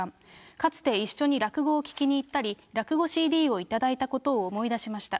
かつて一緒に落語を聞きに行ったり、落語ＣＤを頂いたことを思い出しました。